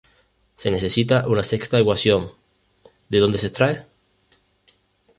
Se necesita una sexta ecuación,¿de dónde se extrae?